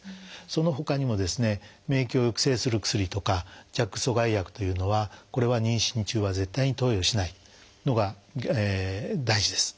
そのほかにも免疫を抑制する薬とかＪＡＫ阻害薬というのはこれは妊娠中は絶対に投与しないのが大事です。